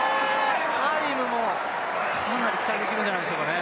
タイムもかなり期待できるんじゃないですかね。